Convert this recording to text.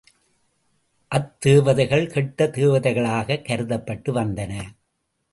அத்தேவதைகள் கெட்ட தேவதைகளாகக் கருதப்பட்டு வந்தன.